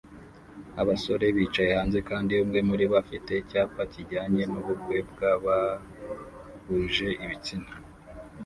abasore bicaye hanze kandi umwe muribo afite icyapa kijyanye nubukwe bwabahuje ibitsina